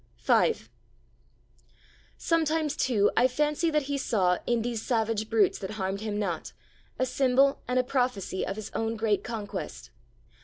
V Sometimes, too, I fancy that He saw, in these savage brutes that harmed Him not, a symbol and a prophecy of His own great conquest.